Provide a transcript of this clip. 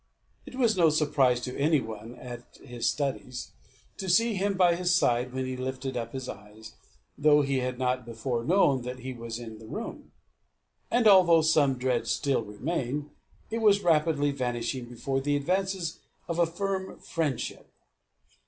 It was no surprise to any one at his studies, to see him by his side when he lifted up his eyes, though he had not before known that he was in the room. And although some dread still remained, it was rapidly vanishing before the advances of a firm friendship.